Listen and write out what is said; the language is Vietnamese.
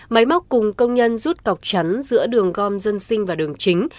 máy móc cùng công nhân rút cọc chắn giữa đường gom dân sinh và đường chính